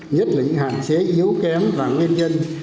nhất là những hạn chế yếu kém và nguyên nhân